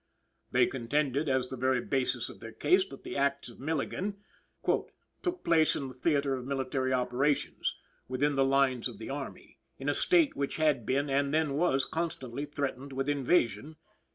They contended, as the very basis of their case, that the acts of Milligan "took place in the theatre of military operations, within the lines of the army, in a State which had been, and then was constantly threatened with invasion."